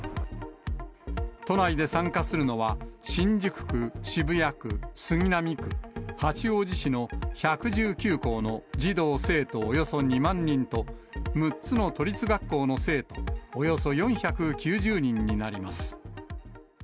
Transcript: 都内で参加するのは、新宿区、渋谷区、杉並区、八王子市の１１９校の児童・生徒およそ２万人と、６つの都立学校の生徒およそ４９０人になります。